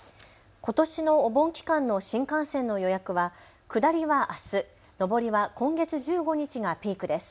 ことしのお盆機関の新幹線の予約は下りはあす上りは今月１５日がピークです。